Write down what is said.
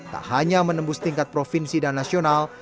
tak hanya menembus tingkat provinsi dan nasional